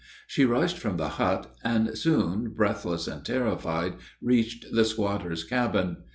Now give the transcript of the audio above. She rushed from the hut, and soon, breathless and terrified, reached the squatter's cabin.